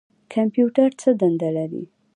کمپیوټر څه دنده لري؟